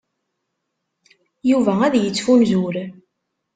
Yuba ad yettfunzur.